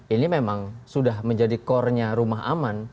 ini memang sudah menjadi core nya rumah aman